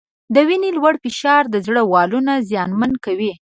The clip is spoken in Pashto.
د وینې لوړ فشار د زړه والونه زیانمن کوي.